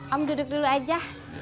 om duduk dulu aja